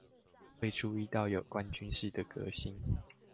未注意到有關軍事的革新